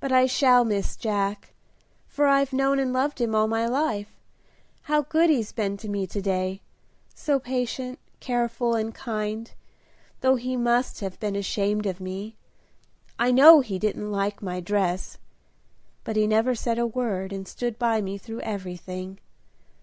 But I shall miss Jack, for I've known and loved him all my life. How good he's been to me to day! so patient, careful, and kind, though he must have been ashamed of me. I know he didn't like my dress; but he never said a word and stood by me through everything.